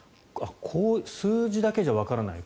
数字だけじゃわからない